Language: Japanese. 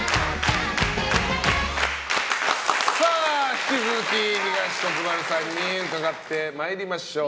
引き続き、東国原さんに伺ってまいりましょう。